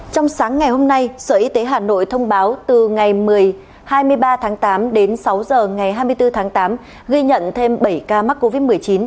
trong sáng ngày hôm nay sở y tế hà nội thông báo từ ngày một mươi hai mươi ba tám đến sáu h ngày hai mươi bốn tám ghi nhận thêm bảy ca mắc covid một mươi chín